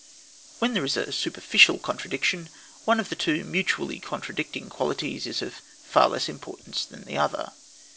When there is a superficial contradiction, one of the two mutually contradicting qualities is of far less importance than the other.